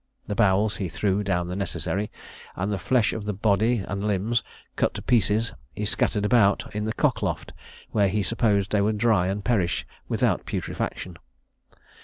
The bowels he threw down the necessary; and the flesh of the body and limbs, cut to pieces, he scattered about in the cock loft, where he supposed they would dry and perish without putrefaction.